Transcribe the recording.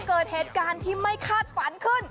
เกิดเหตุการณ์ที่ไม่คาดฝันขึ้น